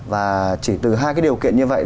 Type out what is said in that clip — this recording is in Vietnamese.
và chỉ từ hai cái điều kiện như vậy